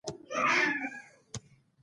خو حضرت موسی علیه السلام په هغه کال پیدا شو.